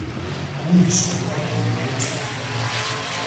გუნდს ოთარ გაბელია წვრთნიდა.